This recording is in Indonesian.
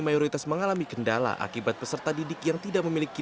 mayoritas mengalami kendala akibat peserta didik yang tidak memiliki